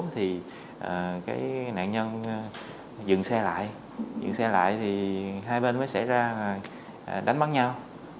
thì cái nạn nhân dừng xe lại dừng xe lại thì hai bên mới xảy ra đánh bắn nhau